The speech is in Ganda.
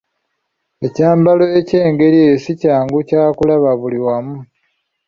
Ekyambalo eky'engeri eyo si kyangu kyakulaba buli wamu.